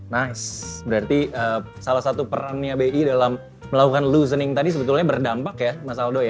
nah berarti salah satu perannya bi dalam melakukan loasoning tadi sebetulnya berdampak ya mas aldo ya